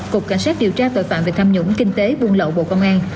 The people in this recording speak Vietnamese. cục cảnh sát điều tra tội phạm về tham nhũng kinh tế buôn lậu bộ công an